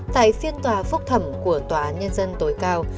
tại phiên tòa phúc thẩm của tòa án nhân dân tối cao